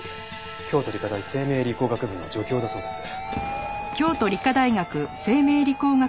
京都理科大生命理工学部の助教だそうです。